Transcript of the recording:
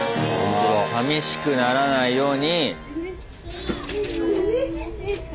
あさみしくならないように。